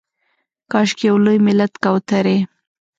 کاشکي یو لوی ملت کوترې